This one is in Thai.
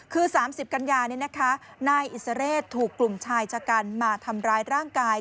คือ๓๐กันยานายอิสเรศถูกกลุ่มชายชะกันมาทำร้ายร่างกาย